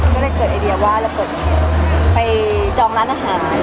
ก็ได้เกิดไอเดียว่าเราไปจองร้านอาหาร